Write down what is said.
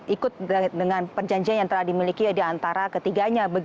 ikut dengan perjanjian yang telah dimiliki di antara ketiganya